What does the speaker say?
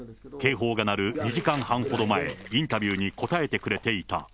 警報が鳴る２時間半ほど前、インタビューに答えてくれていた。